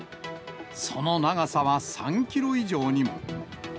その長さは３キロ以上にも。